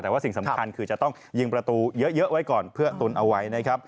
แต่ว่าสิ่งสำคัญคือจะต้องยิงประตูเยอะไว้ก่อนเพื่อตุนเอาไว้นะครับ